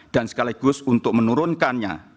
dan sekaligus untuk menurunkannya